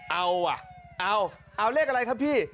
เอาว่ะเอาเอาเลขอะไรครับพี่